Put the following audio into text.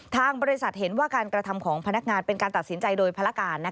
ทางบริษัทเห็นว่าการกระทำของพนักงานเป็นการตัดสินใจโดยภารการ